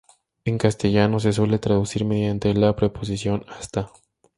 En castellano se suele traducir mediante la preposición "hasta".